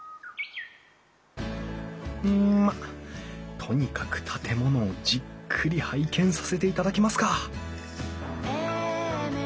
うんまあとにかく建物をじっくり拝見させていただきますか！